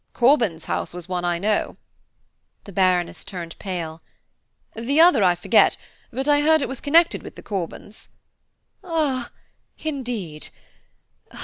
"Corban's house was one, I know." The Baroness turned pale. "The other I forget, but I heard it was connected with the Corbans." "Ah, indeed